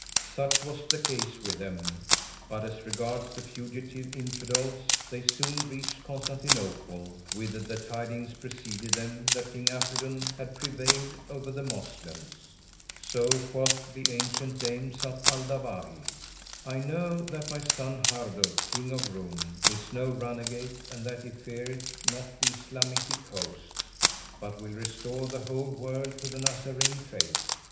Such was the case with them; but as regards the fugitive Infidels they soon reached Constantinople, whither the tidings preceded them that King Afridun had prevailed over the Moslems; so quoth the ancient dame, Zat al Dawahi, "I know that my son Hardub, King of Roum, is no runagate and that he feareth not the Islamitic hosts, but will restore the whole world to the Nazarene faith."